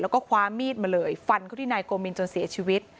แล้วก็คว้ามีดมาเลยฟันเขาที่นายโกมินจนเสียชีวิต